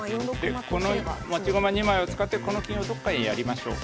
この持ち駒２枚を使ってこの金をどっかへやりましょう。